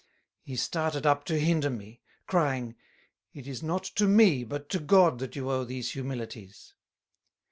He started up to hinder me; crying, "It is not to me but to God that you owe these Humilities."